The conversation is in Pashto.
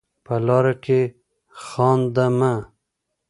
په لاره کې خانده مه.